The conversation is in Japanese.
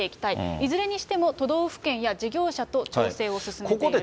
いずれにしても、都道府県と事業者と調整を進めていると。